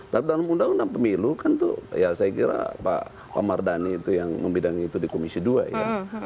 tapi dalam undang undang pemilu kan itu ya saya kira pak mardhani itu yang membidangi itu di komisi dua ya